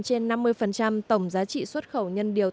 trên năm mươi tổng giá trị xuất khẩu nhân điều